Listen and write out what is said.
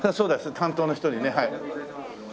担当の人にねはい。